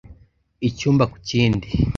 icyumba ku kindi